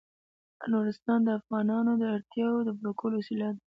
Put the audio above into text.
نورستان د افغانانو د اړتیاوو د پوره کولو وسیله ده.